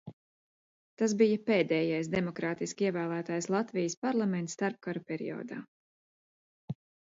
Tas bija pēdējais demokrātiski ievēlētais Latvijas parlaments starpkaru periodā.